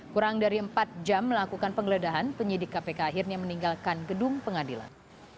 kurang dari empat jam melakukan penggeledahan penyidik kpk akhirnya meninggalkan gedung pengadilan